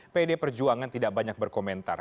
pdi perjuangan tidak banyak berkomentar